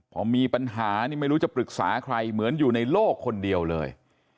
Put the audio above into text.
พอมีปัญหานี่ไม่รู้จะปรึกษาใครเหมือนอยู่ในโลกคนเดียวเลย